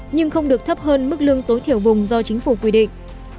nhưng không được thấp hơn mức lương tối thiểu vùng do chính phủ quy định